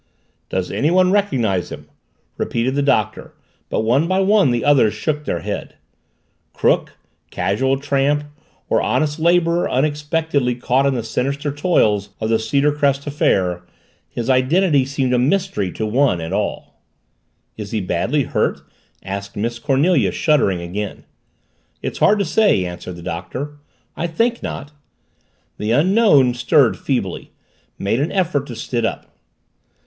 "Does anyone recognize him?" repeated the Doctor but one by one the others shook their heads. Crook, casual tramp, or honest laborer unexpectedly caught in the sinister toils of the Cedarcrest affair his identity seemed a mystery to one and all. "Is he badly hurt?" asked Miss Cornelia, shuddering again. "It's hard to say," answered the Doctor. "I think not." The Unknown stirred feebly made an effort to sit up.